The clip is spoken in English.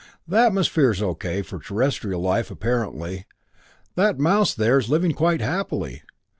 The atmosphere is O.K. for terrestrial life apparently; that mouse there is living quite happily.